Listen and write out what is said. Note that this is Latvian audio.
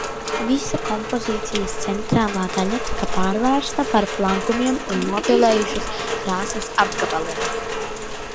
Visa kompozīcijas centrālā daļa tika pārvērsta par plankumiem un nopilējušas krāsas apgabaliem.